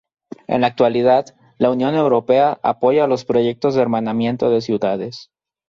En la actualidad, la Unión Europea apoya los proyectos de hermanamiento de ciudades.